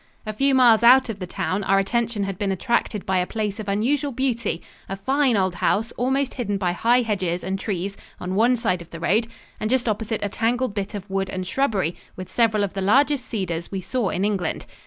A few miles out of the town our attention had been attracted by a place of unusual beauty, a fine old house almost hidden by high hedges and trees on one side of the road and just opposite a tangled bit of wood and shrubbery, with several of the largest cedars we saw in England.